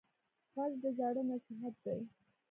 غږ د زاړه نصیحت دی